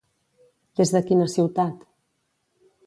Des de quina ciutat?